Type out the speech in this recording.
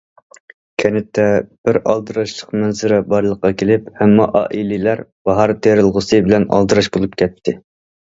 كەنتتە بىر ئالدىراشلىق مەنزىرە بارلىققا كېلىپ، ھەممە ئائىلىلەر باھار تېرىلغۇسى بىلەن ئالدىراش بولۇپ كەتتى.